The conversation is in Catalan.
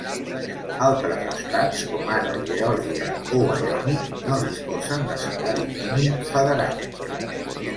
Altres estats, com ara Georgia o Wyoming, no disposen de salari mínim federal.